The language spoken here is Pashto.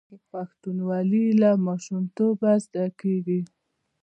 پښتونولي له ماشومتوبه زده کیږي.